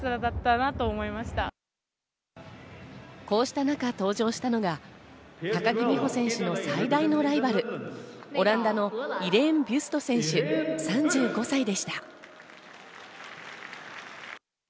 こうした中、登場したのが高木美帆選手の最大のライバル、オランダのイレーン・ビュスト選手、３５歳でした。